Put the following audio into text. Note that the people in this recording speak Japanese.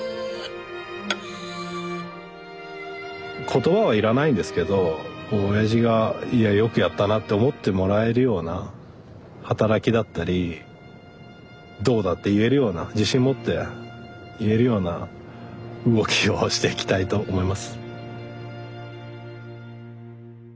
言葉は要らないんですけどおやじがいやよくやったなって思ってもらえるような働きだったりどうだって言えるような自信持って言えるような動きをしていきたいと思います。